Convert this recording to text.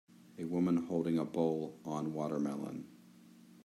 A woman holding a bowl on watermelon.